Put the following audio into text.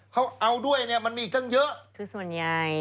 เขาเอาด้วยเนี่ยมันมีอีกตั้งเยอะคือส่วนใหญ่